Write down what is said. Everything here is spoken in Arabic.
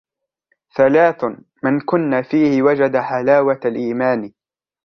ثَلَاثٌ مَنْ كُنَّ فِيهِ وَجَدَ حَلَاوَةَ الْإِيمَانِ.